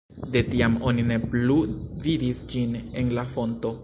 De tiam oni ne plu vidis ĝin en la fonto.